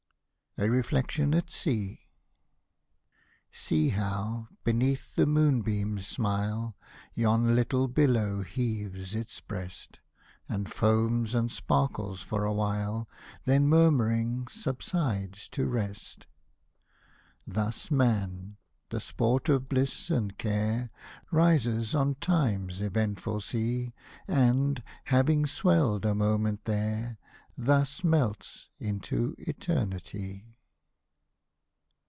A REFLECTION AT SEA See how, beneath the moonbeam's smile, Yon Httle billow heaves its breast, And foams and sparkles for awhile, — Then murmuring subsides to rest. Thus man, the sport of bliss and care, Rises on time's eventful sea ; And, having swelled a moment there Thus melts into eternitv